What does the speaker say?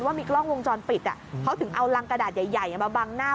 ว่ามีกล้องวงจรปิดเขาถึงเอารังกระดาษใหญ่มาบังหน้า